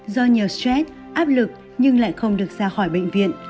do nhiều stress áp lực nhưng lại không được ra khỏi bệnh viện